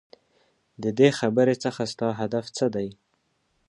ددې خبرې څخه ستا هدف څه دی ؟؟